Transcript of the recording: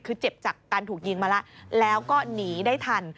คือเจ็บจากการถูกยิงมาแล้วแล้วก็หนีได้ทัน